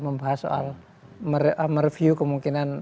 membahas soal mereview kemungkinan